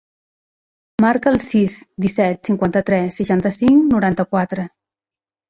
Marca el sis, disset, cinquanta-tres, seixanta-cinc, noranta-quatre.